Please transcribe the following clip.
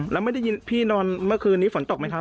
แล้วพี่นอนเมื่อคืนนี้ฝนตกไหมครับ